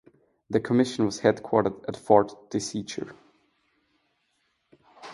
The Commission was headquartered at Fort Decatur.